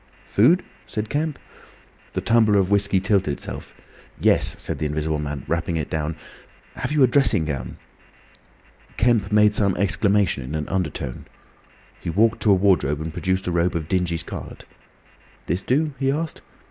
"Food?" said Kemp. The tumbler of whiskey tilted itself. "Yes," said the Invisible Man rapping it down. "Have you a dressing gown?" Kemp made some exclamation in an undertone. He walked to a wardrobe and produced a robe of dingy scarlet. "This do?" he asked.